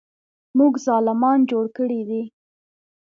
موږ ظالمان جوړ کړي دي.